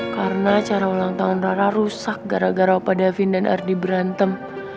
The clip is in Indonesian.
karena acara ulang tahun rara rusak gara gara opa davin dan ardi berantem